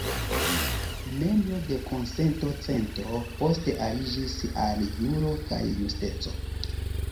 Membro de Konsento-Centro, poste aliĝis al Juro kaj Justeco.